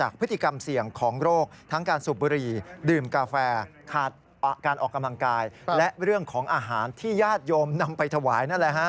เกมงกายและเรื่องของอาหารที่ญาติยมนำไปถวาย